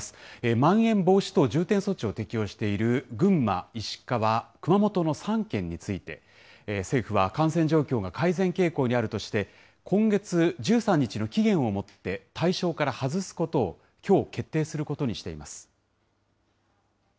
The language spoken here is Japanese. まん延防止等重点措置を適用している群馬、石川、熊本の３県について、政府は感染状況が改善傾向にあるとして、今月１３日の期限をもって、対象から外すことをきょう、決定することにしています。